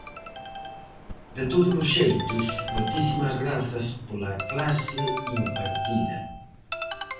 De todos os xeitos, moitísimas grazas pola clase impartida.